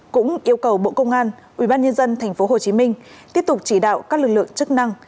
cũng yêu cầu bộ công an ubnd tp hcm tiếp tục chỉ đạo các lực lượng chức năng